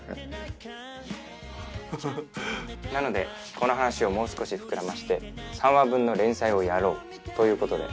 なのでこの話をもう少し膨らませて３話分の連載をやろうという事で。